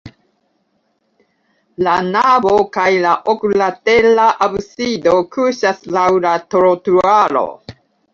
La navo kaj la oklatera absido kuŝas laŭ la trotuaro.